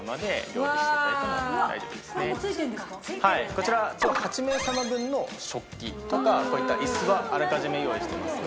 こちら８名様分の食器とかこういったイスはあらかじめ用意してますね。